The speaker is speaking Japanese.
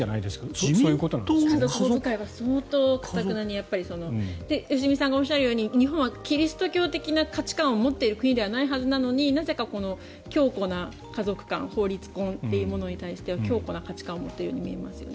自民党は頑なに良純さんがおっしゃるように日本はキリスト教的価値観を持っている国ではないはずなのになぜか強固な家族観、法律婚というものに強固な価値観を持っているように見えますよね。